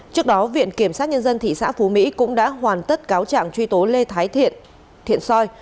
trước đó viện kiểm sát nhân dân thị xã phú mỹ cũng đã hoàn tất cáo trạng truy tố lê thái thiện thiện soi